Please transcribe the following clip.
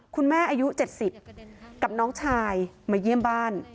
คุณแม่อายุ๗๐กับน้องชายมาเยี่ยมบ้าน